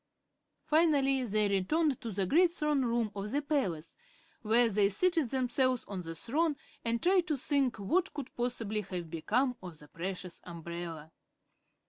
Finally they returned to the great throne room of the palace, where they seated themselves on the throne and tried to think what could possibly have become of the precious umbrella.